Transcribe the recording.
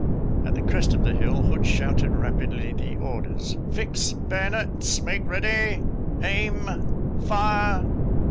At the crest of the hill Hood shouted rapidly the orders, " Fix bayonets ! Make ready ! Aim ! Fire!